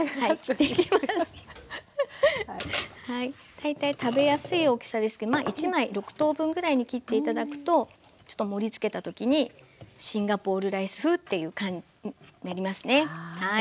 大体食べやすい大きさですけどまあ１枚６等分ぐらいに切って頂くとちょっと盛りつけた時にシンガポールライス風っていう感じになりますねはい。